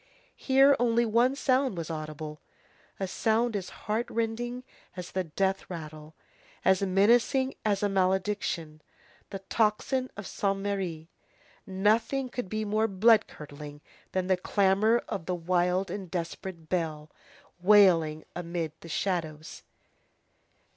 Here only one sound was audible, a sound as heart rending as the death rattle, as menacing as a malediction, the tocsin of Saint Merry. Nothing could be more blood curdling than the clamor of that wild and desperate bell, wailing amid the shadows.